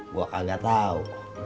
gue kagak tahu